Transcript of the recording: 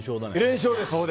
連勝です。